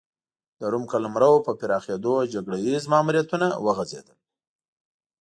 د روم قلمرو په پراخېدو جګړه ییز ماموریتونه وغځېدل